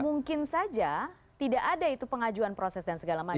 mungkin saja tidak ada itu pengajuan proses dan segala macam